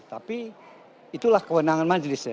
tapi itulah kewenangan majelis ya